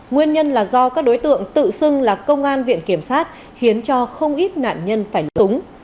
nguyên nhân là do các đối tượng tự xưng là công an viện kiểm sát khiến cho không ít nạn nhân phải lúng